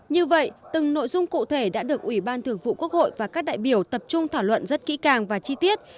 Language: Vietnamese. như vậy từng nội dung cụ thể đã được ủy ban thường vụ quốc hội và các đại biểu tập trung thảo luận rất kỹ càng và chi tiết